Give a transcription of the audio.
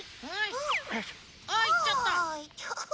あっいっちゃった。